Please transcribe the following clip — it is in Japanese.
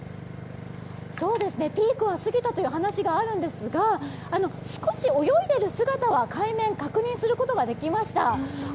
ピークは過ぎたという話があるんですが少し泳いでいる姿は海面で確認することができました。